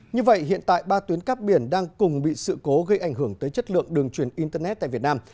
như vậy hiện tại ba tuyến cắp biển đang cùng bị sự cố gây ảnh hưởng tới chất lượng đường truyền internet tại việt nam